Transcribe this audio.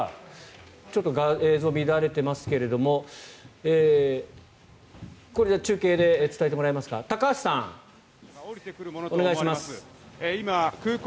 ちょっと映像が乱れていますがこれは中継で伝えてもらいますか高橋さん、お願いします。